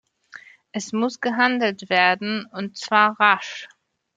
Es muss gehandelt werden, und zwar rasch.